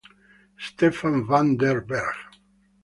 Stephan van den Berg